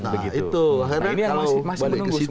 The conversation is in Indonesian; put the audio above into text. nah ini yang masih menunggu semuanya